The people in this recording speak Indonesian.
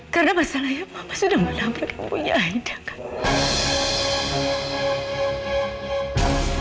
karena masalahnya mama sudah menabrak pembunyianya aida kan